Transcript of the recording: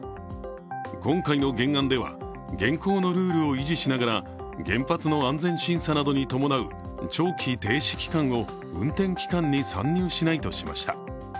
今回の原案では、現行のルールを維持しながら原発の安全審査などに伴う長期停止期間を運転期間に参入しないとしました。